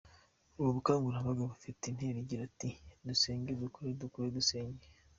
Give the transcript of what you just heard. Ubu bukangurambaga bufite intero igira iti “ Dusenge dukora- Dukore Dusenga”.